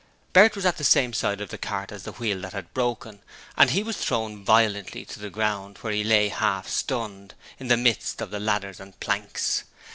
Bert was at the same side of the cart as the wheel that broke and he was thrown violently to the ground, where he lay half stunned, in the midst of the ladders and planks.